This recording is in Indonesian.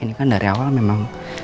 ini kan dari awal memang